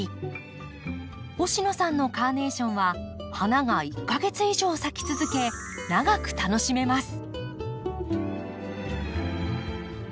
星野さんのカーネーションは花が１か月以上咲き続け長く楽しめます。